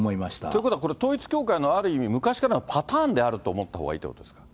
ということはこれ、統一教会のある意味、昔からのパターンであると思ったほうがいいということですか。